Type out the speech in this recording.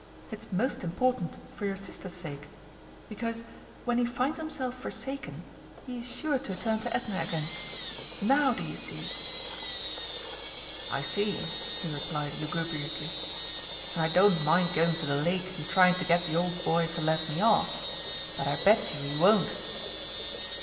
It's most important, for your Sister's sake. Because, when he finds himself forsaken, he is sure to turn to Edna again. Now do you see?" "I see," he replied lugubriously, "and I don't mind going to the Lake and trying to get the old boy to let me off but I bet you he won't."